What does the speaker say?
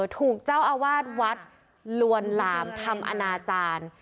ถูกเจ้าอาวาสวัดลวนลามทำอนาจารย์